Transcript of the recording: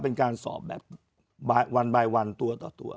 เป็นการสอบแบบวันบายวันตัวต่อตัว